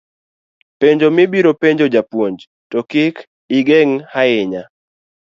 penjo mibiro penjo japuonj, to kik igengi ahinya